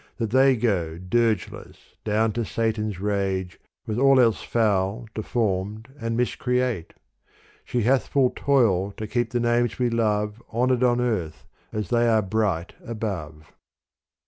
That they go dirgeless down to Satan's rage With all else foul deformed and miscreate : She hath full toil to keep the names we love Honoured on earth as they are bright above.